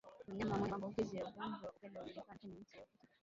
Mnyama mwenye maambukizi ya ugonjwa wa upele hujikuna kwenye miti na ukuta